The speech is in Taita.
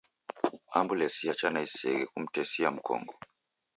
Ambulesi yacha na iseghe kumtesia mkongo.